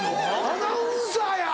アナウンサーや！